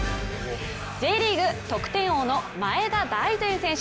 Ｊリーグ得点王の前田大然選手。